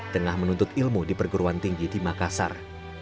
tengah menuntut ilmu di perguruan tinggi di makassar